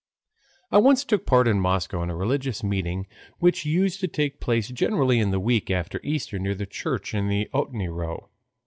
I once took part in Moscow in a religious meeting which used to take place generally in the week after Easter near the church in the Ohotny Row.